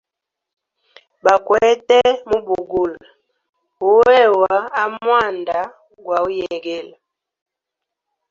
Bakwete mubugula wewa amwanda gwauyegela.